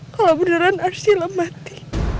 kalau beneran arsyla mati